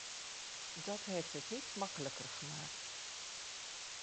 Dat heeft het niet makkelijker gemaakt.